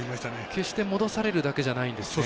決して戻されるだけじゃないんですね。